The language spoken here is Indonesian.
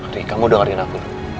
riz kamu dengerin aku dulu